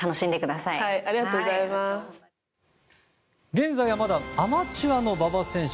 現在はまだアマチュアの馬場選手。